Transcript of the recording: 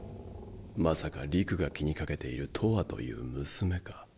まさか理玖が気にかけているとわという娘か。